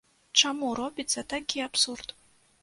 Чаму робіцца такі абсурд?